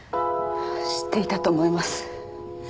知っていたと思います。